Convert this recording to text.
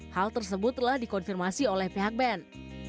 hal tersebut telah dikonfirmasi oleh pihak band